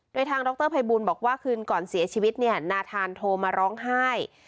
โดยทางดรภัยบูลบอกว่าคืนก่อนเสียชีวิตเนี่ยนาธานโทรมาร้องไห้